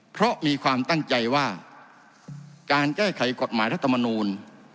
เพราะมีความตั้งใจว่าการแก้ไขกฎหมายรัฐมนูล